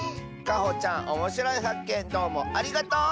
かほちゃんおもしろいはっけんどうもありがとう！